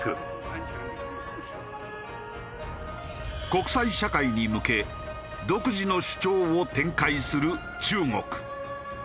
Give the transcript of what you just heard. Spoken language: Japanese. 国際社会に向け独自の主張を展開する中国。